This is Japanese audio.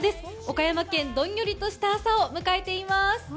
岡山県どんよりとした朝を迎えています。